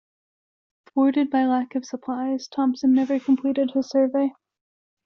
Thwarted by lack of supplies, Thompson never completed his survey.